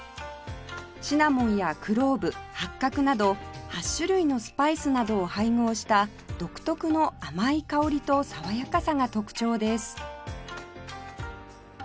シナモンやクローブ八角など８種類のスパイスなどを配合した独特の甘い香りと爽やかさが特徴です